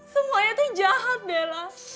semuanya itu jahat bella